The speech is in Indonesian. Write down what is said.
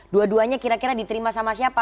dua duanya kira kira diterima sama siapa